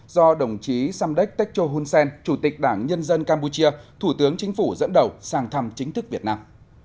do đồng chí samdech techo hun sen chủ tịch đảng nhân dân campuchia thủ tướng chính phủ dẫn đầu sang thăm chính thức việt nam